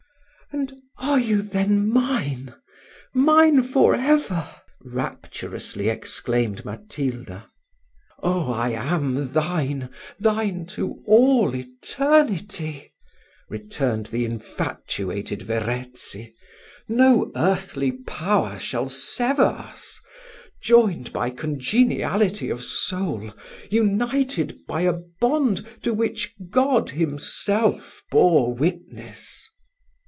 "And are you then mine mine for ever?" rapturously exclaimed Matilda. "Oh! I am thine thine to all eternity," returned the infatuated Verezzi: "no earthly power shall sever us; joined by congeniality of soul, united by a bond to which God himself bore witness."